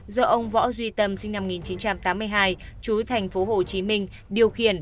do ông võ duy tâm sinh năm một nghìn chín trăm tám mươi hai chú thành phố hồ chí minh điều khiển